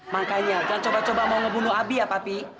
makanya jangan coba coba mau ngebunuh abi ya papi